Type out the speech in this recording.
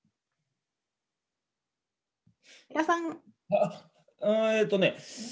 あっえっとね